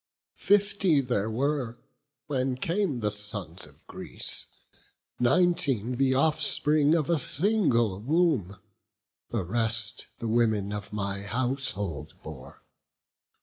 Fifty there were, when came the sons of Greece; Nineteen the offspring of a single womb; The rest, the women of my household bore.